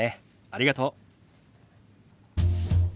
ありがとう。